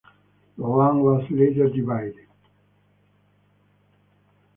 The land was later divided.